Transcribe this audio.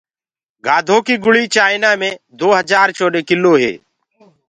گآڌو ڪيٚ گُݪيٚ چآئنآ مي دو هجآر چوڏي ڪلو هي